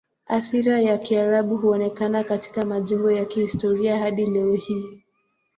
Athira ya Kiarabu huonekana katika majengo ya kihistoria hadi leo hii.